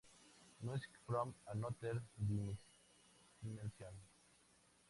Music From Another Dimension!